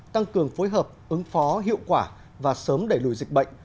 tăng cường phối hợp ứng phó hiệu quả và sớm đẩy lùi dịch bệnh